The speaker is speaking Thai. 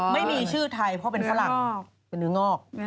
ไม่มีชื่อไทยเพราะเป็นฝรั่งเป็นเนื้องอก